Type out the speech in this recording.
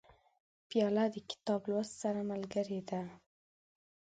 پیاله د کتاب لوست سره ملګرې ده.